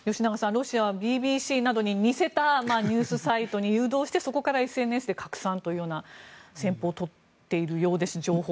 ロシアはＢＢＣなどに似せたニュースサイトに誘導してそこからＳＮＳで拡散というような戦法を取っているようです。